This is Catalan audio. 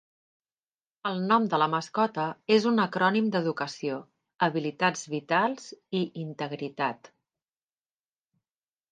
El nom de la mascota és un acrònim d'educació, habilitats vitals i integritat.